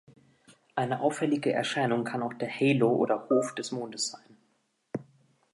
Eine auffällige Erscheinung kann auch der Halo oder Hof des Mondes sein.